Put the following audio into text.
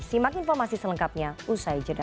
simak informasi selengkapnya usai jeda